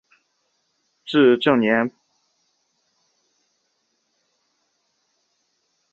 至正八年废。